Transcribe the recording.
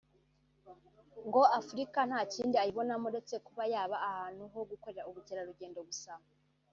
ngo Afurika nta kindi ayibonamo uretse kuba yaba ahantu ho gukorera ubukerarugendo gusa